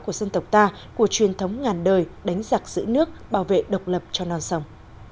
của dân tộc ta của truyền thống ngàn đời đánh giặc giữ nước bảo vệ độc lập cho non sông